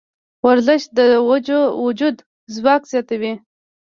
ورزش د وجود ځواک زیاتوي.